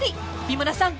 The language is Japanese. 三村さん